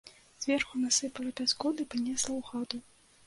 Зверху насыпала пяску ды панесла ў хату.